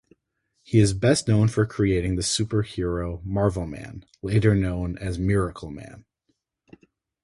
He is best known for creating the superhero Marvelman, later known as Miracleman.